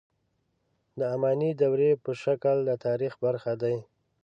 د اماني دورې په شکل د تاریخ برخه دي.